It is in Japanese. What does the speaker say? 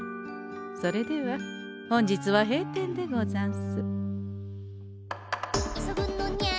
それでは本日は閉店でござんす。